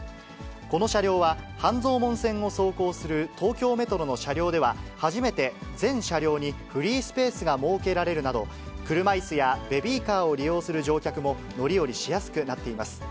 この車両は、半蔵門線を走行する東京メトロの車両では、初めて全車両にフリースペースが設けられるなど、車いすやベビーカーを利用する乗客も乗り降りしやすくなっています。